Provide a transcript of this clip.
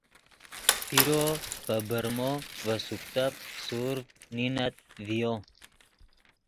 پیرو پے برمو ڤے سوکتف سورڤ نینت ڤیو